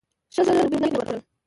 شل زره روپۍ نغدي ورکړل.